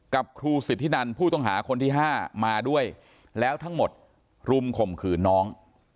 กับครูสิทธินันผู้ต้องหาคนที่๕มาด้วยแล้วทั้งหมดรุมข่มขืนน้อง